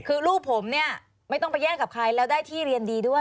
คือลูกผมเนี่ยไม่ต้องไปแย่งกับใครแล้วได้ที่เรียนดีด้วย